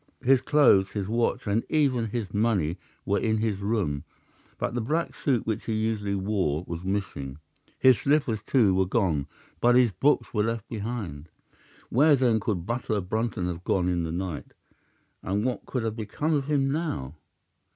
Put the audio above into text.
His clothes, his watch, and even his money were in his room, but the black suit which he usually wore was missing. His slippers, too, were gone, but his boots were left behind. Where then could butler Brunton have gone in the night, and what could have become of him now?